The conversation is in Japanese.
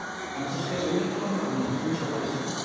そして、オミクロン株の重症化リスク